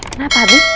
eh kenapa abi